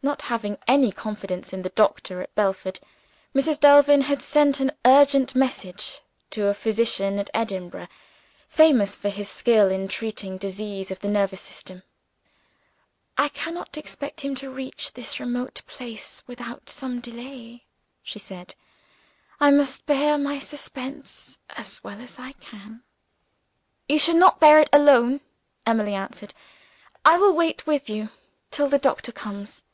Not having any confidence in the doctor at Belford, Mrs. Delvin had sent an urgent message to a physician at Edinburgh, famous for his skill in treating diseases of the nervous system. "I cannot expect him to reach this remote place, without some delay," she said; "I must bear my suspense as well as I can." "You shall not bear it alone," Emily answered. "I will wait with you till the doctor comes."